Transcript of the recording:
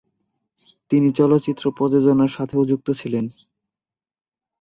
তিনি চলচ্চিত্র প্রযোজনার সাথেও যুক্ত ছিলেন।